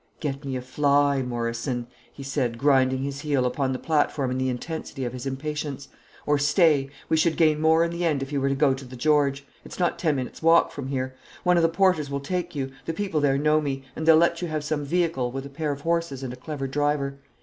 "Get me a fly, Morrison," he said, grinding his heel upon the platform in the intensity of his impatience. "Or, stay; we should gain more in the end if you were to go to the George it's not ten minutes' walk from here; one of the porters will take you the people there know me, and they'll let you have some vehicle, with a pair of horses and a clever driver.